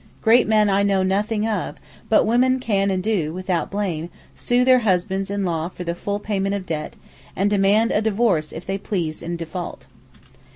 Great men I know nothing of; but women can and do, without blame, sue their husbands in law for the full 'payment of debt,' and demand a divorce if they please in default.